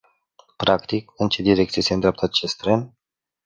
Practic, în ce direcție se îndreaptă acest tren?